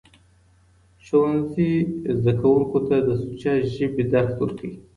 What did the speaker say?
ښوونځي زدهکوونکو ته د سوچه ژبې درس ورکوي.